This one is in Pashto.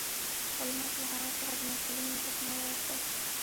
هولمز له هغه څخه د ناپلیون مجسمه وغوښته.